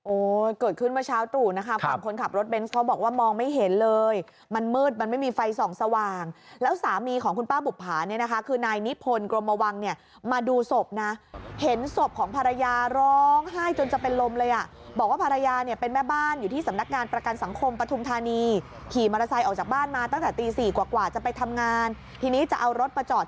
โอ้ยเกิดขึ้นเมื่อเช้าตรู่นะครับความคนขับรถเบนซ์เขาบอกว่ามองไม่เห็นเลยมันมืดมันไม่มีไฟสองสว่างแล้วสามีของคุณป้าบุภาเนี่ยนะคะคือนายนิพพลกรมวังเนี่ยมาดูศพนะเห็นศพของภรรยาร้องไห้จนจะเป็นลมเลยอ่ะบอกว่าภรรยาเนี่ยเป็นแม่บ้านอยู่ที่สำนักงานประกันสังคมปทุมธานีขี่มอเตอร์